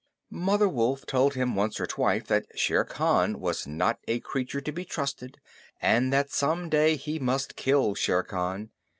Mother Wolf told him once or twice that Shere Khan was not a creature to be trusted, and that some day he must kill Shere Khan.